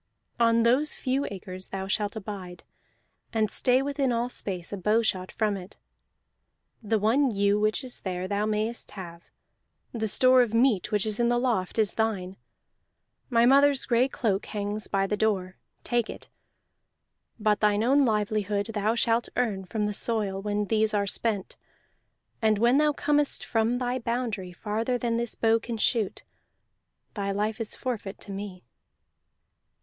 On those few acres thou shalt abide, and stay within all space a bowshot from it. The one ewe which is there thou mayest have; the store of meat which is in the loft is thine; my mother's gray cloak hangs by the door: take it. But thine own livelihood thou shalt earn from the soil when these are spent; and when thou comest from thy boundary farther than this bow can shoot, thy life is forfeit to me."